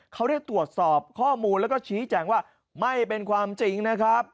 เขาได้ตรวจสอบข้อมูลแล้วก็ชี้แจงว่าไม่เป็นความจริงนะครับ